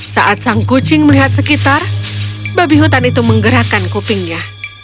saat sang kucing melihat sekitar babi hutan itu menggerakkan kupingnya